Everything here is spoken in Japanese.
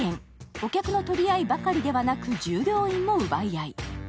お客の取り合いばかりではなく従業員も奪い合い。